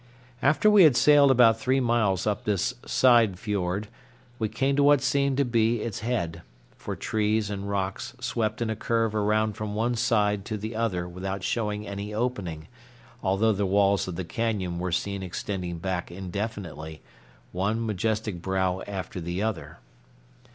After we had sailed about three miles up this side fiord, we came to what seemed to be its head, for trees and rocks swept in a curve around from one side to the other without showing any opening, although the walls of the cañon were seen extending back indefinitely, one majestic brow beyond the other.